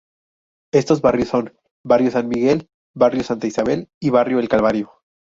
Estos barrios son: Barrio San Miguel, Barrio Santa Isabel y Barrio El Calvario.